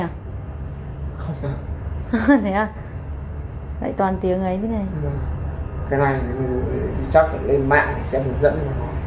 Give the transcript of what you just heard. cái này thì chắc phải lên mạng để xem hướng dẫn của nó